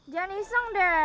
jangan iseng deh